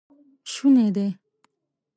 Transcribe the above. شونی دی